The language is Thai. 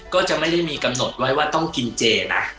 ก็จะไม่ได้มีกำหนดไว้ว่าต้องกินเจนะ